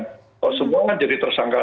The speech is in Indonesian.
semua kan jadi tersangka